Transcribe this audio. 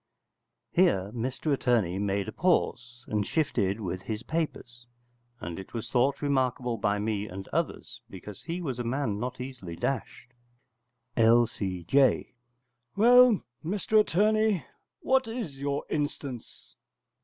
[Here Mr Attorney made a pause, and shifted with his papers: and it was thought remarkable by me and others, because he was a man not easily dashed.] L.C.J. Well, Mr Attorney, what is your instance?